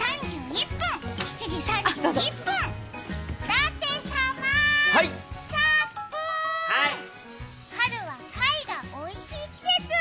舘様、さっくーん、春は貝がおいしい季節。